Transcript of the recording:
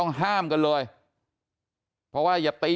ใช่ค่ะถ่ายรูปส่งให้พี่ดูไหม